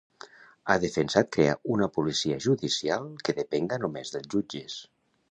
Ha defensat crear una policia judicial que depenga només dels jutges.